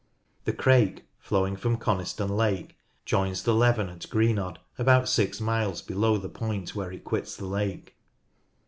The Crake, flowing from Coniston Lake, joins the Leven at Greenodd, about six miles below the point where it quits the lake.